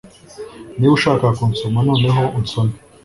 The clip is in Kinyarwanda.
Niba ushaka kunsoma noneho unsome